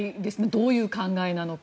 どういう考えなのか。